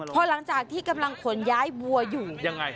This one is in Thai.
พอหลังจากที่กำลังขนย้ายวัวอยู่ยังไง